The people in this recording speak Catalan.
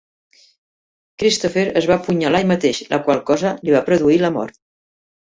Christopher es va apunyalar ell mateix, la qual cosa li va produir la mort.